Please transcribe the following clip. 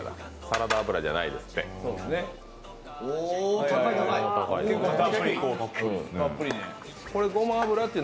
サラダ油じゃないですって。